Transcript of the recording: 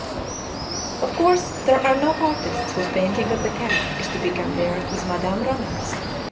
Of course, there are no artists whose painting of the cat is to be compared with Madame Ronner's.